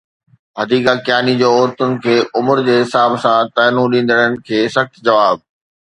حديقہ ڪياني جو عورتن کي عمر جي حساب سان طعنو ڏيندڙن کي سخت جواب